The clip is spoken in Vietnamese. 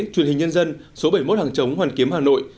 truyền hình nhân dân số bảy mươi một hàng chống hoàn kiếm hà nội